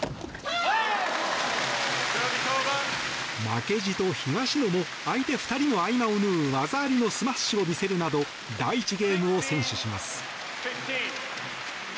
負けじと東野も相手２人の合間を縫う技ありのスマッシュを見せるなど第１ゲームを先取します。